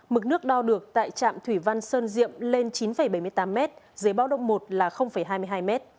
mực nước đo được tại trạm thủy văn sơn diệm lên chín bảy mươi tám m dưới báo động một là hai mươi hai m